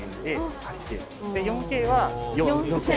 ４Ｋは４，０００。